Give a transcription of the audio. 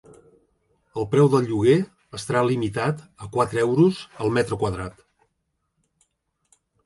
El preu del lloguer estarà limitat a quatre euros el metre quadrat.